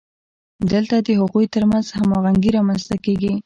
دلته د هغوی ترمنځ هماهنګي رامنځته کیږي.